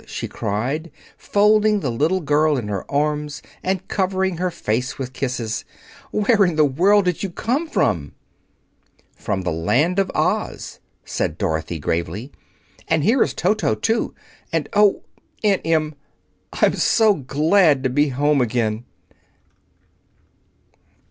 she cried, folding the little girl in her arms and covering her face with kisses. "Where in the world did you come from?" "From the Land of Oz," said Dorothy gravely. "And here is Toto, too. And oh, Aunt Em! I'm so glad to be at home again!"